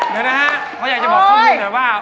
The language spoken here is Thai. เดี๋ยวนะฮะเพราะอยากจะบอกทุกคนเลยว่า